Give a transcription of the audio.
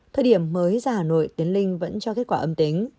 thời điểm mới ra hà nội tiến linh vẫn cho kết quả âm tính